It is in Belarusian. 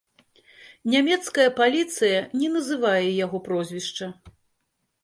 Нямецкая паліцыя не называе яго прозвішча.